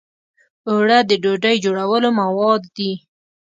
اوړه د ډوډۍ جوړولو مواد دي